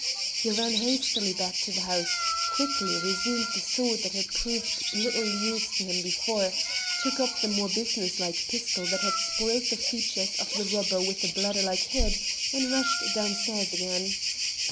He ran hastily back to the house, quickly resumed the sword that had proved little use to him before, took up the more businesslike pistol that had spoiled the features of the robber with the bladder like head, and rushed downstairs again.